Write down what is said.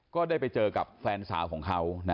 ก็ได้ไปเจอกับแฟนสาวของเขา